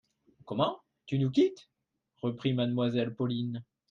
Comment ! tu nous quittes ? reprit Mademoiselle Pauline.